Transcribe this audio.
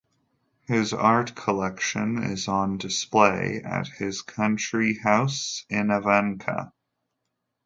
His art collection is on display at his country house in Avanca.